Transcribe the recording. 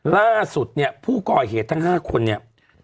ล่าสุดเนี่ยผู้ก่อเหตุทั้ง๕คนเนี่ย